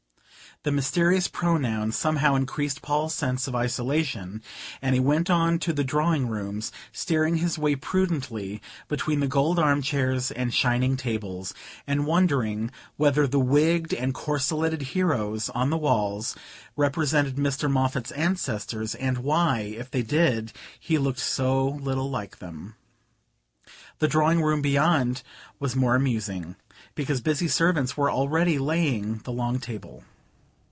The mysterious pronoun somehow increased Paul's sense of isolation, and he went on to the drawing rooms, steering his way prudently between the gold arm chairs and shining tables, and wondering whether the wigged and corseleted heroes on the walls represented Mr. Moffatt's ancestors, and why, if they did, he looked so little like them. The dining room beyond was more amusing, because busy servants were already laying the long table.